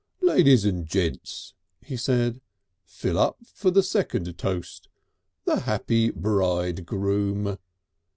"Ladies and gents," he said, "fill up for the second toast: the happy Bridegroom!"